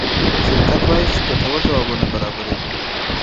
شرکت وايي چې ګټور ځوابونه برابروي.